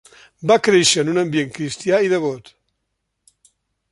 Va créixer en un ambient cristià i devot.